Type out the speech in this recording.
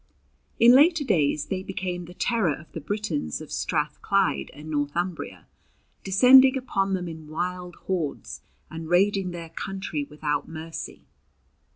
In later days they became the terror of the Britons of Strathclyde and Northumbria, descending upon them in wild hordes and raiding their country without mercy.